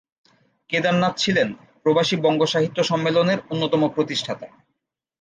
কেদারনাথ ছিলেন ‘প্রবাসী বঙ্গ-সাহিত্য সম্মেলন’র অন্যতম প্রতিষ্ঠাতা।